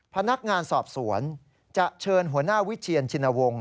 พนักงานสอบสวนจะเชิญหัวหน้าวิเชียนชินวงศ์